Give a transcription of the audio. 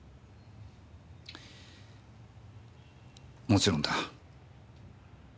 もちろんだ。